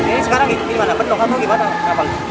ini sekarang gimana penuh atau gimana kapalnya